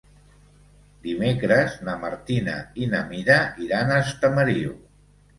Dimecres na Martina i na Mira iran a Estamariu.